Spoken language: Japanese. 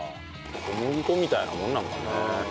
小麦粉みたいなもんなのかね。